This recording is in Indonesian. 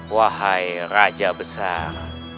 wahai raja besar